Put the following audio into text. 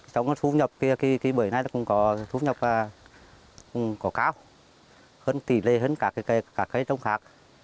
trong thu nhập kia bữa nay cũng có thu nhập cao hơn tỷ lệ hơn các cây trồng khác